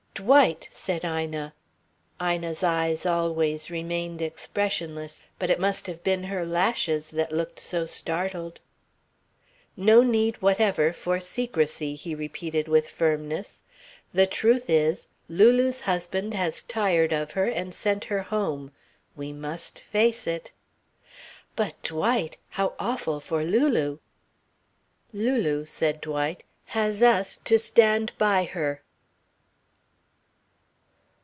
"Dwight!" said Ina Ina's eyes always remained expressionless, but it must have been her lashes that looked so startled. "No need whatever for secrecy," he repeated with firmness. "The truth is, Lulu's husband has tired of her and sent her home. We must face it." "But, Dwight how awful for Lulu...." "Lulu," said Dwight, "has us to stand by her."